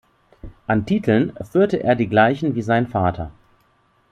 An Titeln führte er die gleichen wie sein Vater.